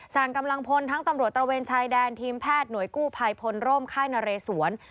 กำลังพลทั้งตำรวจตระเวนชายแดนทีมแพทย์หน่วยกู้ภัยพลร่มค่ายนเรสวน